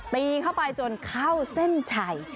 ตีเข้าไปจนเข้าเส้นชัย